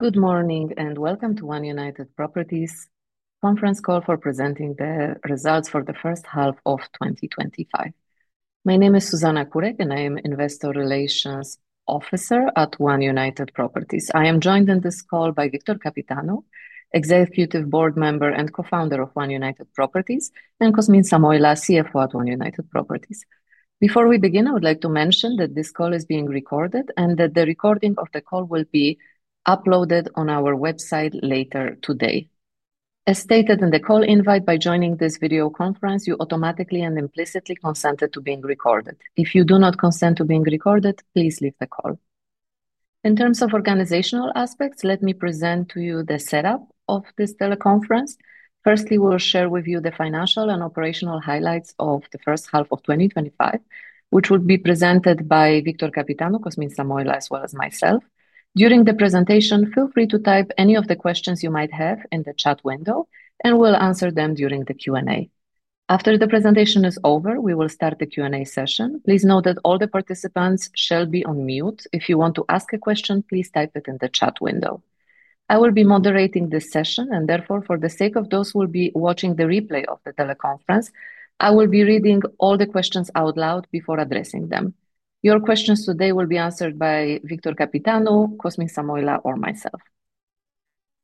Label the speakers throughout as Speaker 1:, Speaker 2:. Speaker 1: Good morning and welcome to One United Properties' conference call for presenting the results for the first half of 2025. My name is Zuzanna Kurek, and I am Investor Relations Officer at One United Properties. I am joined on this call by Victor Căpitanu, Executive Board Member and Co-founder of One United Properties, and Cosmin Samoilă, CFO at One United Properties. Before we begin, I would like to mention that this call is being recorded and that the recording of the call will be uploaded on our website later today. As stated in the call invite, by joining this video conference, you automatically and implicitly consented to being recorded. If you do not consent to being recorded, please leave the call. In terms of organizational aspects, let me present to you the setup of this teleconference. Firstly, we'll share with you the financial and operational highlights of the first half of 2025, which will be presented by Victor Căpitanu, Cosmin Samoilă, as well as myself. During the presentation, feel free to type any of the questions you might have in the chat window, and we'll answer them during the Q&A. After the presentation is over, we will start the Q&A session. Please note that all the participants shall be on mute. If you want to ask a question, please type it in the chat window. I will be moderating this session, and therefore, for the sake of those who will be watching the replay of the teleconference, I will be reading all the questions out loud before addressing them. Your questions today will be answered by Victor Căpitanu, Cosmin Samoilă, or myself.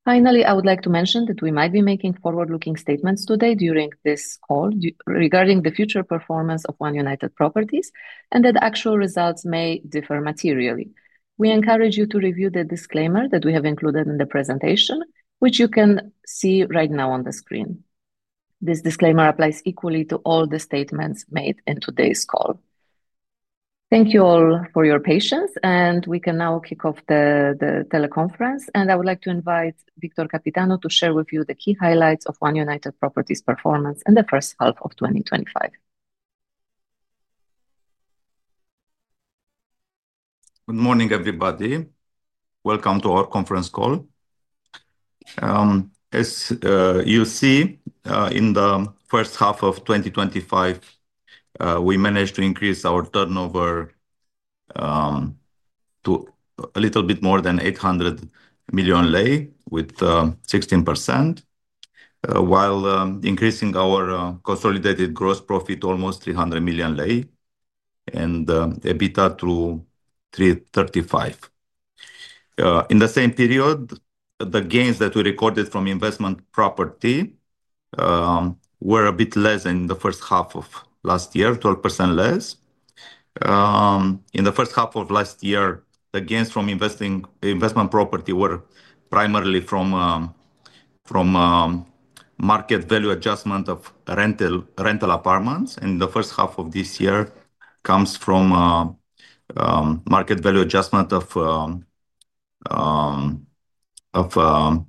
Speaker 1: Finally, I would like to mention that we might be making forward-looking statements today during this call regarding the future performance of One United Properties and that actual results may differ materially. We encourage you to review the disclaimer that we have included in the presentation, which you can see right now on the screen. This disclaimer applies equally to all the statements made in today's call. Thank you all for your patience, and we can now kick off the teleconference. I would like to invite Victor Căpitanu to share with you the key highlights of One United Properties' performance in the first half of 2025.
Speaker 2: Good morning, everybody. Welcome to our conference call. As you'll see, in the first half of 2025, we managed to increase our turnover to a little bit more than RON 800 million, with 16%, while increasing our consolidated gross profit to almost RON 300 million and EBITDA to 335. In the same period, the gains that we recorded from investment property were a bit less than in the first half of last year, 12% less. In the first half of last year, the gains from investment property were primarily from market value adjustment of rental apartments, and the first half of this year comes from market value adjustment of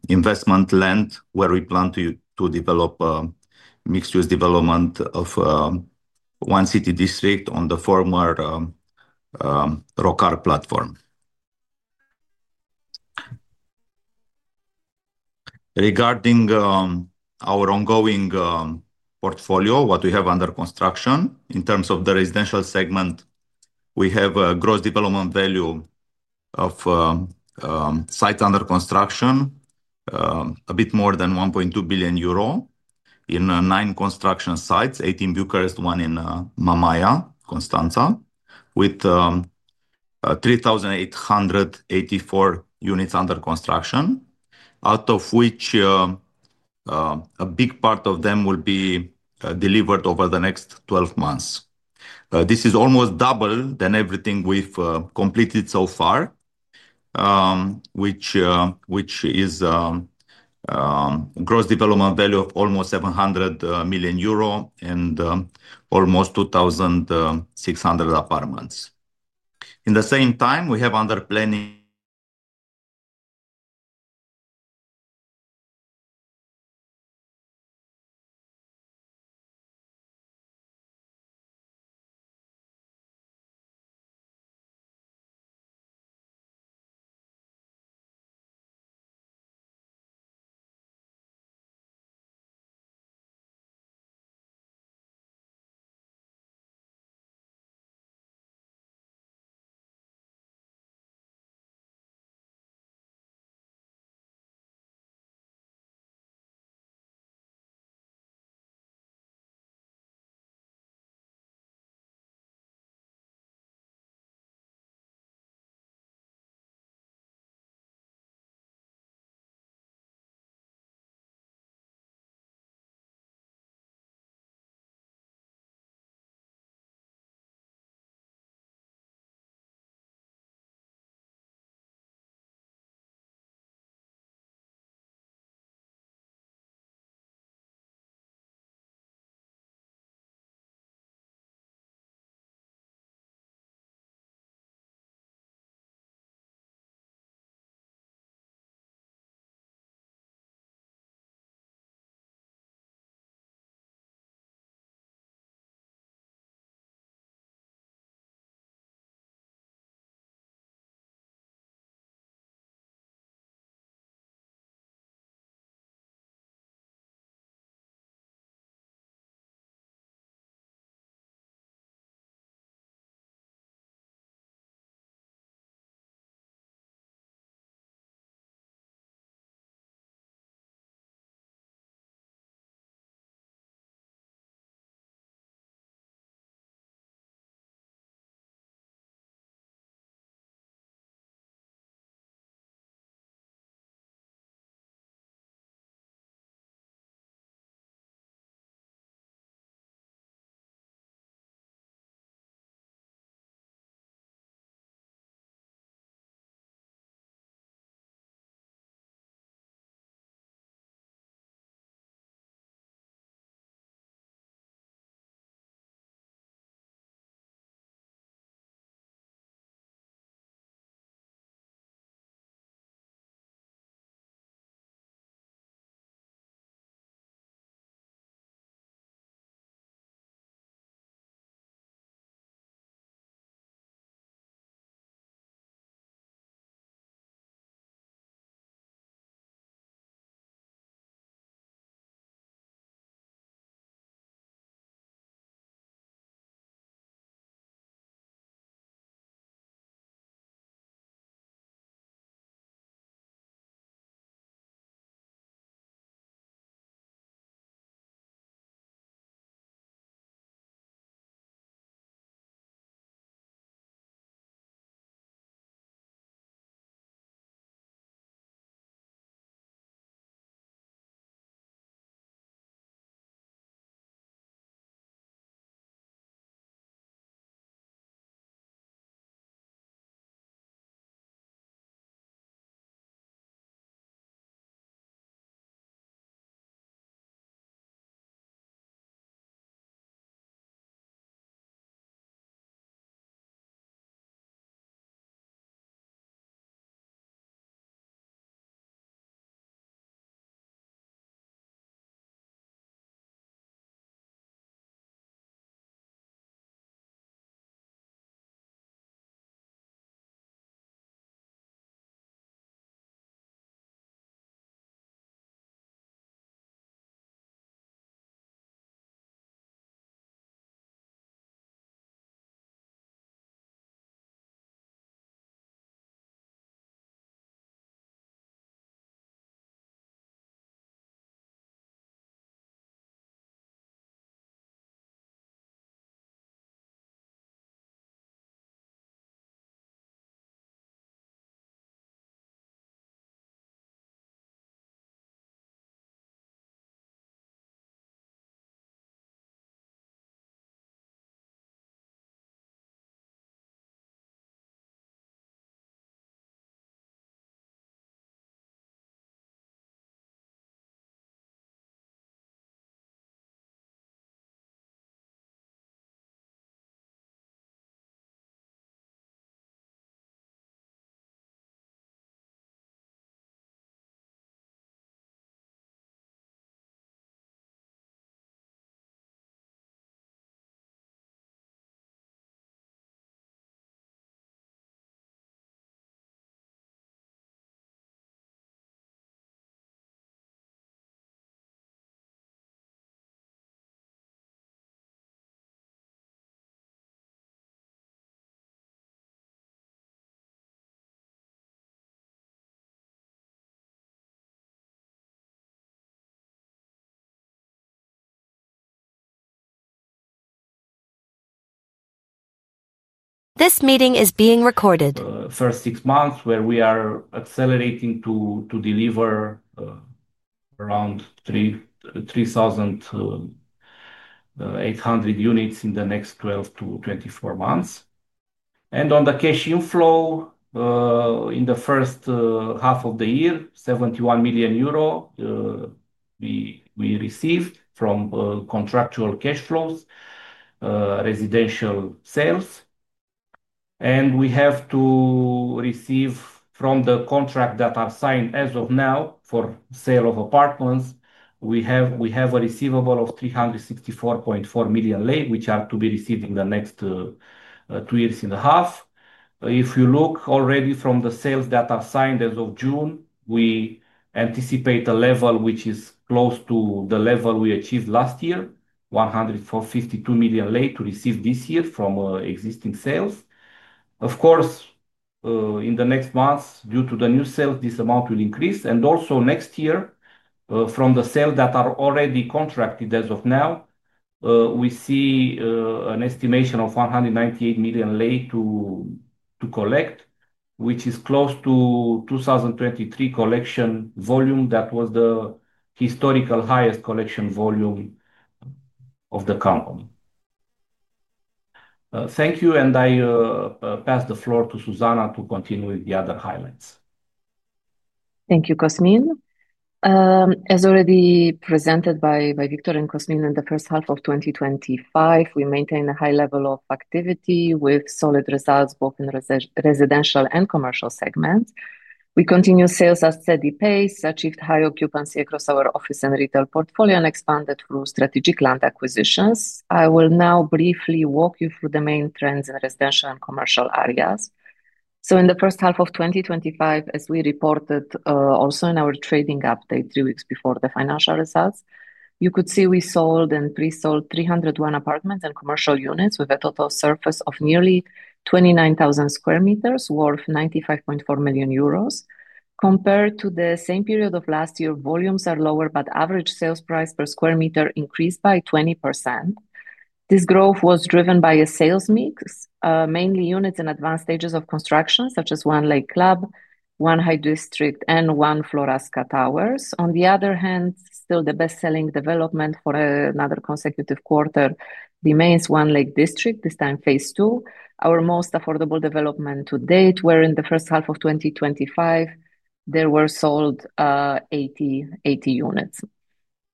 Speaker 2: investment land where we plan to develop mixed-use development of one city district on the former Rocar platform. Regarding our ongoing portfolio, what we have under construction, in terms of the residential segment, we have a gross development value of sites under construction, a bit more than 1.2 billion euro in nine construction sites, eight in Bucharest, one in Mamaia, Constanța, with 3,884 units under construction, out of which a big part of them will be delivered over the next 12 months. This is almost double than everything we've completed so far, which is a gross development value of almost 700 million euro and almost 2,600 apartments. In the same time, we have under planning.
Speaker 3: This meeting is being recorded.
Speaker 4: First six months, where we are accelerating to deliver around 3,800 units in the next 12 to 24 months. And on the cash inflow, in the first half of the year, 71 million euro we received from contractual cash flows, residential sales. And we have to receive from the contracts that are signed as of now for sale of apartments, we have a receivable of RON 364.4 million, which are to be received in the next two years and a half. If you look already from the sales that are signed as of June, we anticipate a level which is close to the level we achieved last year, 152 million to receive this year from existing sales. Of course, in the next months, due to the new sales, this amount will increase. Also next year, from the sales that are already contracted as of now, we see an estimation of 198 million to collect, which is close to 2023 collection volume. That was the historical highest collection volume of the company. Thank you, and I pass the floor to Zuzanna to continue with the other highlights.
Speaker 1: Thank you, Cosmin. As already presented by Victor and Cosmin, in the first half of 2025, we maintain a high level of activity with solid results both in residential and commercial segments. We continue sales at a steady pace, achieved high occupancy across our office and retail portfolio, and expanded through strategic land acquisitions. I will now briefly walk you through the main trends in residential and commercial areas. So in the first half of 2025, as we reported also in our trading update three weeks before the financial results, you could see we sold and pre-sold 301 apartments and commercial units with a total surface of nearly 29,000 square meters, worth 95.4 million euros. Compared to the same period of last year, volumes are lower, but average sales price per square meter increased by 20%. This growth was driven by a sales mix, mainly units in advanced stages of construction, such as One Lake Club, One High District, and One Floreasca Towers. On the other hand, still the best-selling development for another consecutive quarter remains One Lake District, this time phase two, our most affordable development to date, where in the first half of 2025, there were sold 80 units.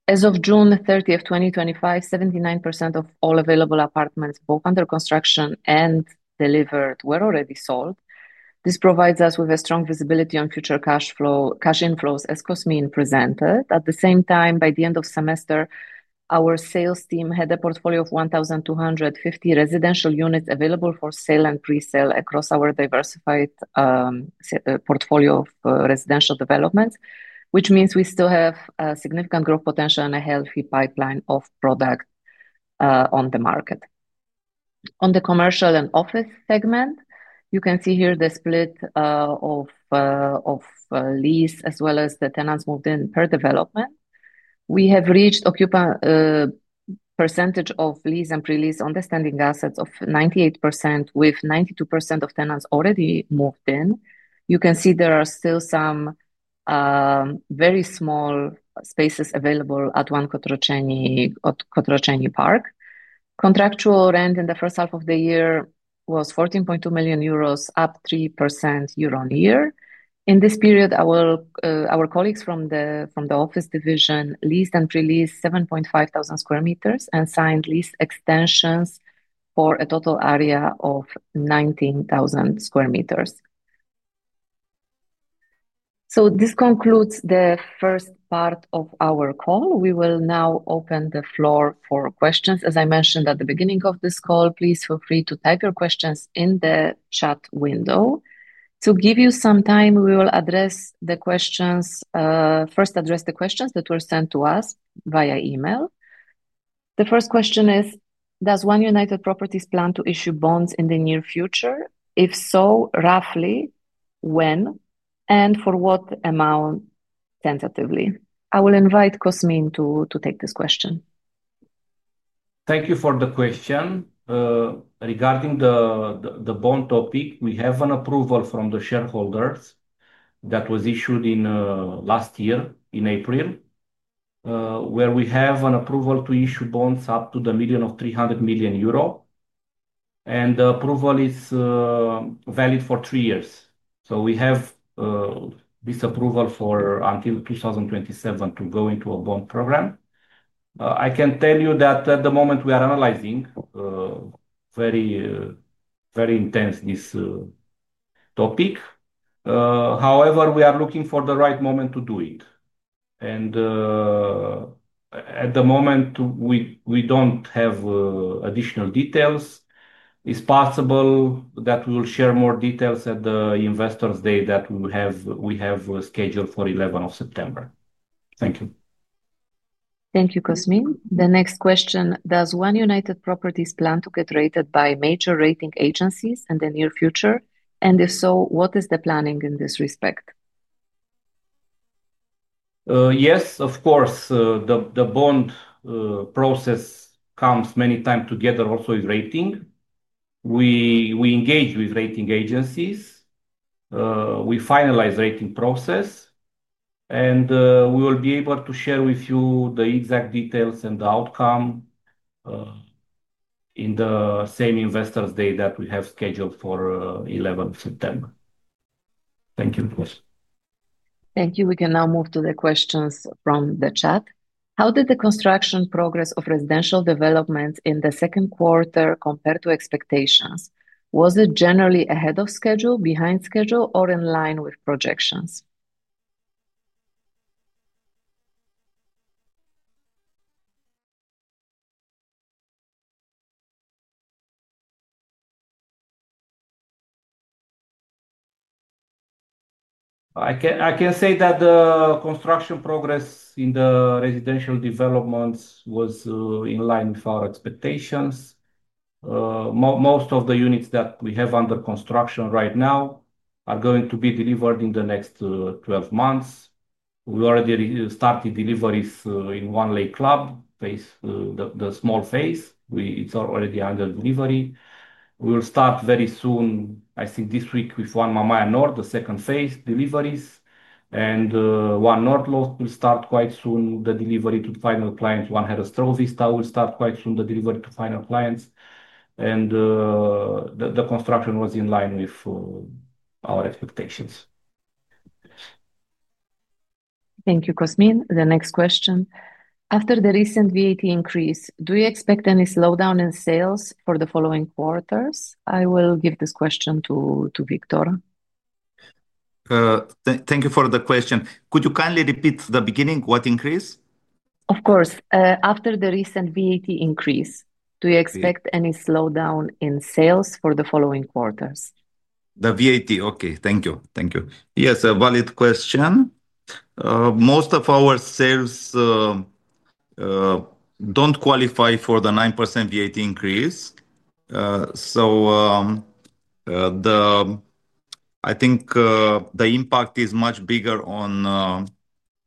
Speaker 1: As of June 30th, 2025, 79% of all available apartments, both under construction and delivered, were already sold. This provides us with a strong visibility on future cash inflows, as Cosmin presented. At the same time, by the end of semester, our sales team had a portfolio of 1,250 residential units available for sale and pre-sale across our diversified portfolio of residential developments, which means we still have significant growth potential and a healthy pipeline of product on the market. On the commercial and office segment, you can see here the split of lease as well as the tenants moved in per development. We have reached a percentage of lease and pre-lease on the standing assets of 98%, with 92% of tenants already moved in. You can see there are still some very small spaces available at One Cotroceni Park. Contractual rent in the first half of the year was 14.2 million euros, up 3% year on year. In this period, our colleagues from the office division leased and pre-leased 7,500 square meters and signed lease extensions for a total area of 19,000 square meters. So this concludes the first part of our call. We will now open the floor for questions. As I mentioned at the beginning of this call, please feel free to type your questions in the chat window. To give you some time, we will first address the questions that were sent to us via email. The first question is, does One United Properties plan to issue bonds in the near future? If so, roughly when and for what amount, tentatively? I will invite Cosmin to take this question.
Speaker 4: Thank you for the question. Regarding the bond topic, we have an approval from the shareholders that was issued last year in April, where we have an approval to issue bonds up to the million of 300 million euro, and the approval is valid for three years, so we have this approval for until 2027 to go into a bond program. I can tell you that at the moment we are analyzing very intensely this topic. However, we are looking for the right moment to do it, and at the moment, we don't have additional details. It's possible that we will share more details at the investors' day that we have scheduled for 11 of September. Thank you.
Speaker 1: Thank you, Cosmin. The next question, does One United Properties plan to get rated by major rating agencies in the near future? And if so, what is the planning in this respect?
Speaker 4: Yes, of course. The bond process comes many times together also with rating. We engage with rating agencies. We finalize the rating process, and we will be able to share with you the exact details and the outcome on the same investors' day that we have scheduled for 11th of September. Thank you.
Speaker 1: Thank you. We can now move to the questions from the chat. How did the construction progress of residential developments in the second quarter compare to expectations? Was it generally ahead of schedule, behind schedule, or in line with projections?
Speaker 4: I can say that the construction progress in the residential developments was in line with our expectations. Most of the units that we have under construction right now are going to be delivered in the next 12 months. We already started deliveries in One Lake Club, the small phase. It's already under delivery. We will start very soon, I think this week, with One Mamaia North, the second phase deliveries. And One North will start quite soon the delivery to the final clients. One Herăstrău Vista will start quite soon the delivery to final clients, and the construction was in line with our expectations.
Speaker 1: Thank you, Cosmin. The next question. After the recent VAT increase, do you expect any slowdown in sales for the following quarters? I will give this question to Victor.
Speaker 2: Thank you for the question. Could you kindly repeat the beginning, what increase?
Speaker 1: Of course. After the recent VAT increase, do you expect any slowdown in sales for the following quarters?
Speaker 2: The VAT. Okay. Thank you. Thank you. Yes, a valid question. Most of our sales don't qualify for the 9% VAT increase. So I think the impact is much bigger on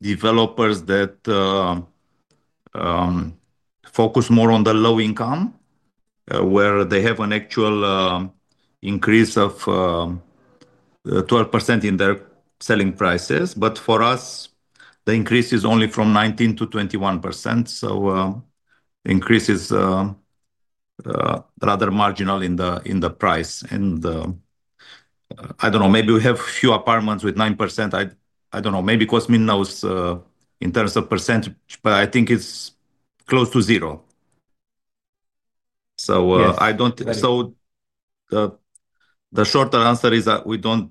Speaker 2: developers that focus more on the low income, where they have an actual increase of 12% in their selling prices. But for us, the increase is only from 19%-21%. So the increase is rather marginal in the price. And I don't know, maybe we have a few apartments with 9%. I don't know. Maybe Cosmin knows in terms of percentage, but I think it's close to zero. So the shorter answer is that we don't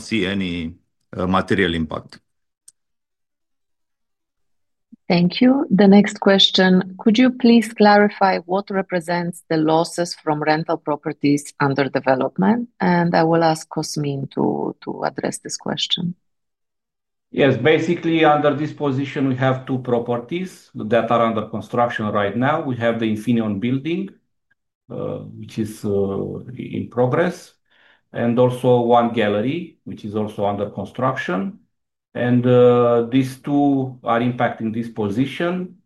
Speaker 2: see any material impact.
Speaker 1: Thank you. The next question, could you please clarify what represents the losses from rental properties under development? And I will ask Cosmin to address this question.
Speaker 4: Yes. Basically, under this position, we have two properties that are under construction right now. We have the Infineon building, which is in progress, and also One Gallery, which is also under construction. These two are impacting this position.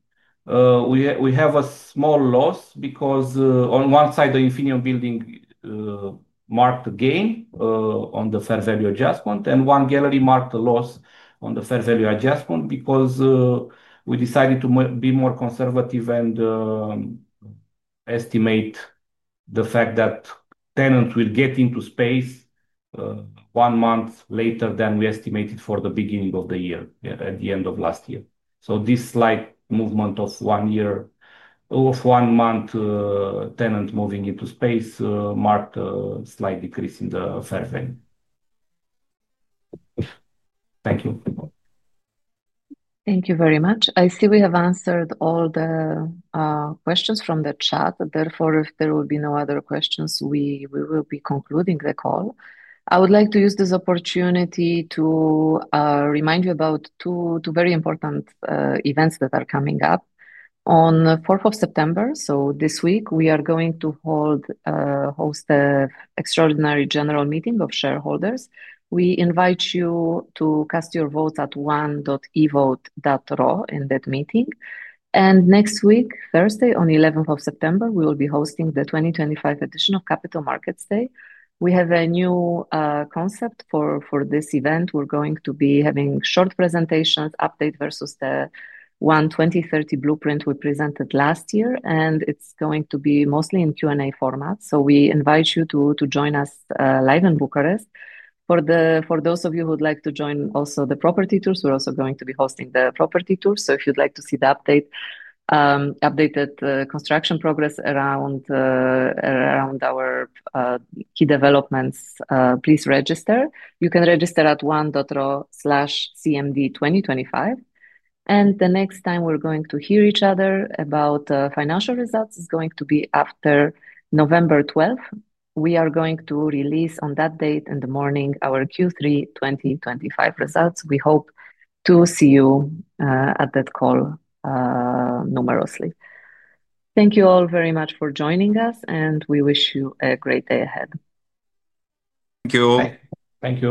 Speaker 4: We have a small loss because on one side, the Infineon building marked a gain on the fair value adjustment, and One Gallery marked a loss on the fair value adjustment because we decided to be more conservative and estimate the fact that tenants will get into space one month later than we estimated for the beginning of the year, at the end of last year. This slight movement of one year, of one month, tenants moving into space marked a slight decrease in the fair value. Thank you.
Speaker 1: Thank you very much. I see we have answered all the questions from the chat. Therefore, if there will be no other questions, we will be concluding the call. I would like to use this opportunity to remind you about two very important events that are coming up. On 4th of September, so this week, we are going to host the Extraordinary General Meeting of Shareholders. We invite you to cast your votes at one.evote.ro in that meeting. And next week, Thursday, on 11th of September, we will be hosting the 2025 edition of Capital Markets Day. We have a new concept for this event. We're going to be having short presentations, update versus the One 2030 blueprint we presented last year. And it's going to be mostly in Q&A format. So we invite you to join us live in Bucharest. For those of you who'd like to join also the property tours, we're also going to be hosting the property tours. So if you'd like to see the updated construction progress around our key developments, please register. You can register at one.ro/cmd2025. And the next time we're going to hear each other about financial results is going to be after November 12th. We are going to release on that date in the morning our Q3 2025 results. We hope to see you at that call numerously. Thank you all very much for joining us, and we wish you a great day ahead.
Speaker 2: Thank you.